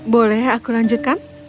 boleh aku lanjutkan